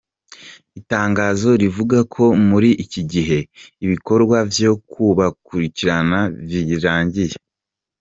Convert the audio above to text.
Itangazo rivuga ko ''muri iki gihe ibikorwa vyo kubakurikirana vyarangiye''.